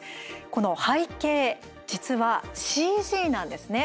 この背景、実はＣＧなんですね。